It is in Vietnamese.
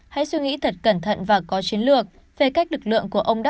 hãy suy nghĩ thật cẩn thận và có chiến lược về cách lực lượng của ông đáp